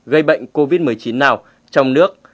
gây bệnh covid một mươi chín nào trong nước